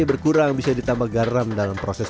berkurang bisa ditambah garam dalam proses